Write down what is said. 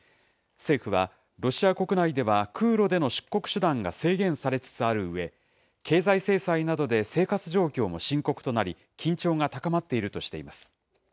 政府は、ロシア国内では空路での出国手段が制限されつつあるうえ、経済制裁などで生活状況も深刻となり、緊張が高まっているとしています。